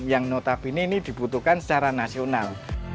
yang notabene ini dibutuhkan secara nasional